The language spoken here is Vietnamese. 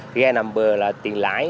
gai nằm bờ là tiền lãi